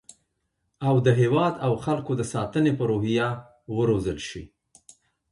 او د هیواد او خلکو د ساتنې په روحیه وروزل شي